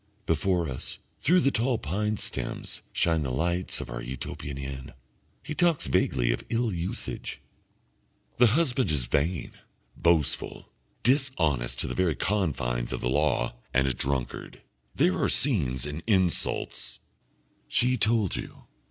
Before us, through the tall pine stems, shine the lights of our Utopian inn. He talks vaguely of ill usage. "The husband is vain, boastful, dishonest to the very confines of the law, and a drunkard. There are scenes and insults " "She told you?"